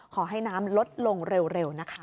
ขอให้น้ำลดลงเร็วนะคะ